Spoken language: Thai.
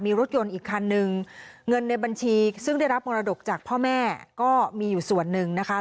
มีรถยนต์อีกคันนึงเงินในบัญชีซึ่งได้รับมรดกจากพ่อแม่ก็มีอยู่ส่วนหนึ่งนะคะ